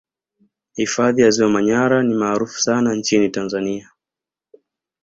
Hifadhi ya Ziwa Manyara ni maarufu sana nchini Tanzania